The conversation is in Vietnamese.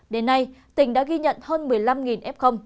đến nay tỉnh đã ghi nhận hơn một mươi năm f